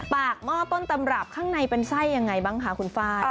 หม้อต้นตำรับข้างในเป็นไส้ยังไงบ้างคะคุณฟ้าย